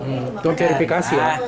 untuk verifikasi ya